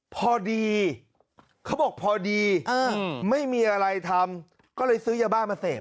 พอดีเขาบอกพอดีไม่มีอะไรทำก็เลยซื้อยาบ้ามาเสพ